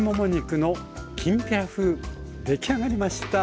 出来上がりました。